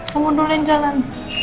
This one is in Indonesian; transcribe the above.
kamu duluin jalan